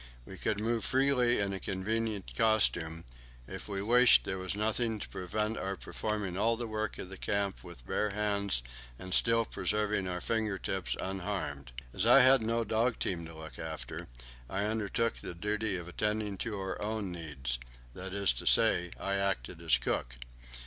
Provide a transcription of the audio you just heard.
We could move freely in a convenient costume; if we wished, there was nothing to prevent our performing all the work of the camp with bare hands and still preserving our finger tips unharmed. As I had no dog team to look after, I undertook the duty of attending to our own needs; that is to say, I acted as cook.